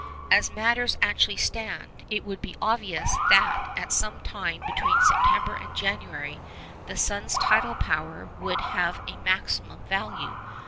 As matters actually stand, it will be obvious that at some time between September and January the sun's tidal power would have a maximum value.